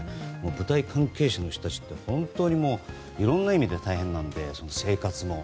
舞台関係者の人たちって本当にいろんな意味で大変なので、生活も。